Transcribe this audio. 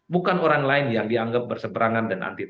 bukan orang lain yang dianggap berseberangan dengan jokowi